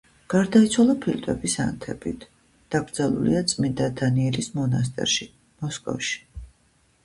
გარდაიცვალა ფილტვების ანთებით, დაკრძალულია წმინდა დანიელის მონასტერში, მოსკოვში.